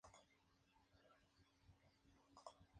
El círculo comienza desde la Piedra Negra en la esquina de la Ka-bah.